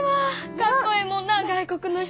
かっこええもんな外国の人。